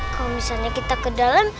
kalau misalnya kita ke dalam